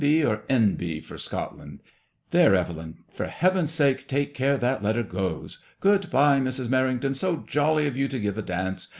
B. or N.B. for Scotland ? There, Evelyn, for heaven's sake take care that letter goes. Good bye, Mrs. Merrington; so jolly of you to give a dance.